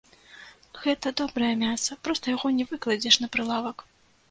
Гэта добрае мяса, проста яго не выкладзеш на прылавак.